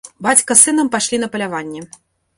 Бацька з сынам пайшлі на паляванне.